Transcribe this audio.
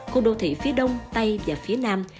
khu đô thị phía đông tây và phía nam